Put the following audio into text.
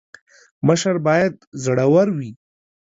مشر باید زړه ور وي